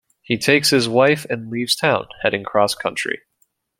He takes his wife and leaves town, heading cross country.